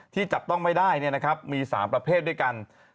ที่จับต้องไม่ได้มี๓ประเภทด้วยกัน